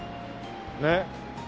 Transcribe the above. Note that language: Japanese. ねっ。